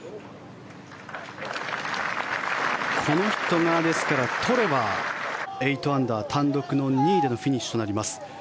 この人が、取れば８アンダー単独の２位でのフィニッシュとなります。